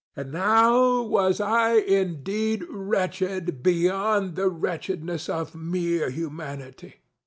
And now was I indeed wretched beyond the wretchedness of mere Humanity.